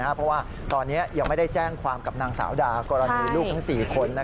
เพราะว่าตอนนี้ยังไม่ได้แจ้งความกับนางสาวดากรณีลูกทั้ง๔คน